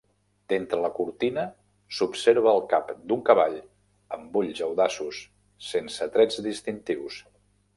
D'entre la cortina s'observa el cap d'un cavall amb ulls audaços, sense trets distintius.